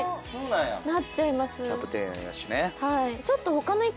ちょっと。